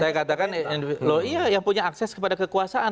saya katakan loh iya yang punya akses kepada kekuasaan